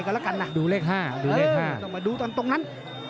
ไปปลายกันล่ะกันนะดูเลข๕ต้องมาดูตรงนั้น